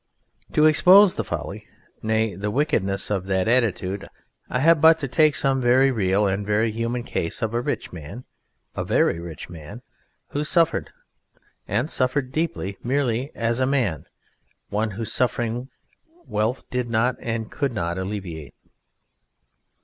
To expose the folly nay, the wickedness of that attitude I have but to take some very real and very human case of a rich man a very rich man who suffered and suffered deeply merely as a man: one whose suffering wealth did not and could not alleviate.